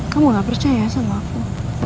kamu gak percaya sama aku